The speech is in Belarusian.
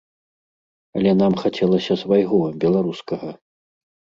Але нам хацелася свайго, беларускага!